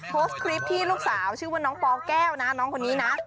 โพสต์คลิปที่ลูกสาวชื่อว่าน้องปแก้วนะน้องคนนี้นะ